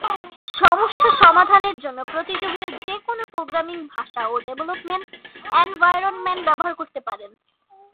সমস্যা সমাধানের জন্য প্রতিযোগীরা যে কোন প্রোগ্রামিং ভাষা ও ডেভেলপমেন্ট এনভায়রনমেন্ট ব্যবহার করতে পারেন।